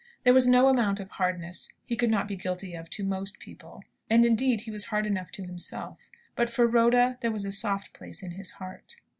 There was no amount of hardness he could not be guilty of to "most people," and, indeed, he was hard enough to himself; but for Rhoda there was a soft place in his heart.